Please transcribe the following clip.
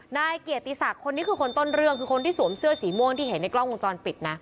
นายเกียรติศักดิ์คนนี้คือคนต้นเรื่องคือคนที่สวมเสื้อสีม่วงที่เห็นในกล้องวงจรปิดนะ